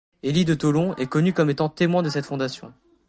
Hélie de Tholon est connu comme étant témoin de cette fondation.